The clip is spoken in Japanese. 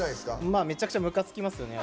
まあめちゃくちゃむかつきますよね。